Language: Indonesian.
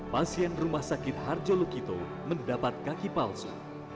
pasien rumah sakit harjo lukito mendapat kaki palsu